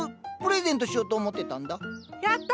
ププレゼントしようと思ってたんだ。